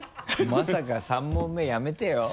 まさか３問目やめてよ。